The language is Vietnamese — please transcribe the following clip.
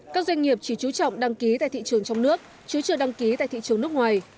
các doanh nghiệp chỉ chú trọng đăng ký tại thị trường trong nước chứ chưa đăng ký tại thị trường nước ngoài